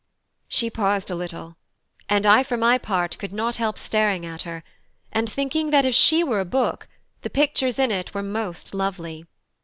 She paused a little, and I for my part could not help staring at her, and thinking that if she were a book, the pictures in it were most lovely.